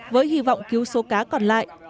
với hy vọng cứu số cá còn lại